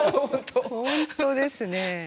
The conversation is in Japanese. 本当ですね。